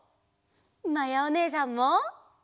まやおねえさんも！